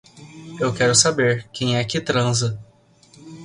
Eu quero saber, quem é quem transa